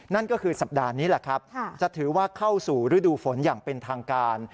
นั่นก็คือสัปดาห์นี้แหละครับจะถือว่าเข้าสู่ฤดูฝนอย่างเป็นทางการ